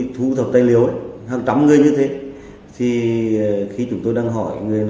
tuy nhiên tài lệ của giao thông